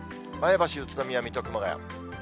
前橋、宇都宮、水戸、熊谷。